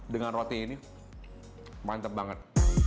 dengan roti ini mantep banget